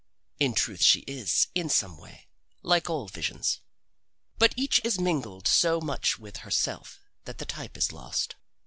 In truth she is, in some way, like all the visions, but each is mingled so much with herself that the type is lost.